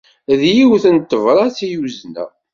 D yiwet n tebrat i uzneɣ.